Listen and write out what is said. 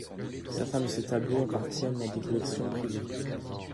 Certains de ses tableaux appartiennent à des collections privées.